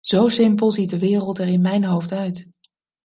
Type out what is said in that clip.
Zo simpel ziet de wereld er in mijn hoofd uit.